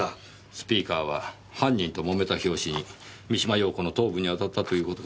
スピーカーは犯人と揉めた拍子に三島陽子の頭部に当たったという事かもしれませんねぇ。